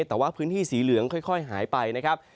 แต่ว่าพื้นที่สีเหลืองค่อยหายไปนะครับ